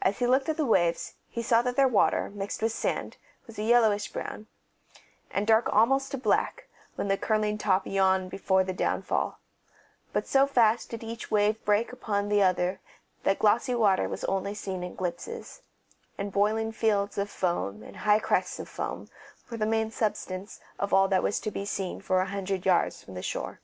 As he looked at the waves he saw that their water, mixed with sand, was a yellowish brown, and dark almost to black when the curling top yawned before the downfall; but so fast did each wave break one upon the other that glossy water was only seen in glimpses, and boiling fields of foam and high crests of foam were the main substance of all that was to be seen for a hundred yards from the shore.